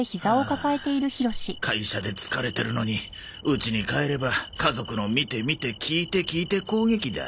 会社で疲れてるのに家に帰れば家族の見て見て聞いて聞いて攻撃だ。